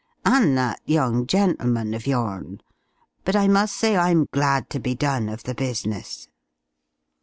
And that young gentleman of your'n. But I must say I'm glad to be done of the business."